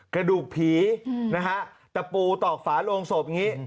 กระดูกผีนะฮะตะปูตอกฝาโลงศพอย่างนี้